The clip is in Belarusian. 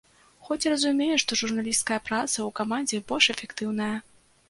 Хоць і разумею, што журналісцкая праца ў камандзе больш эфектыўная.